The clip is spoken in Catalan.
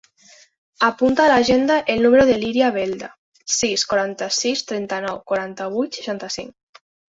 Apunta a l'agenda el número de l'Iria Belda: sis, quaranta-sis, trenta-nou, quaranta-vuit, seixanta-cinc.